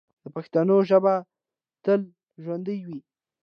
د پښتنو ژبه به تل ژوندی وي.